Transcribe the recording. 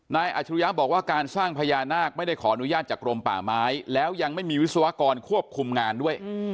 อาจรุยะบอกว่าการสร้างพญานาคไม่ได้ขออนุญาตจากกรมป่าไม้แล้วยังไม่มีวิศวกรควบคุมงานด้วย